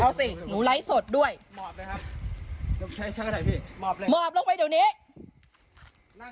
โอ้โหลูกสาวเจ้าขายไก่สดด้วยมอบลงไปเดี๋ยวนี้ไปไหน